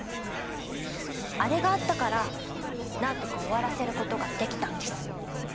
あれがあったからなんとか終わらせることができたんです。